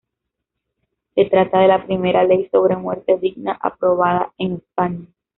Se trata de la primera ley sobre muerte digna aprobada en España.